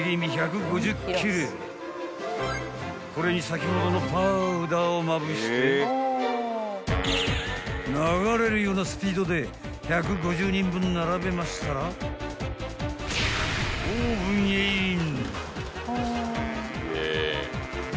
［これに先ほどのパウダーをまぶして流れるようなスピードで１５０人分並べましたらオーブンへイン］